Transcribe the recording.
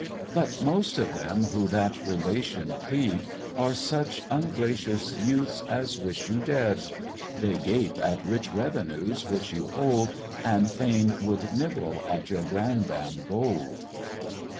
But most of them who that relation plead Are such ungracious youths as wish you dead; They gape at rich revenues which you hold, And fain would nibble at your grandame gold.